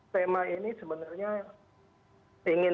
tema ini sebenarnya ingin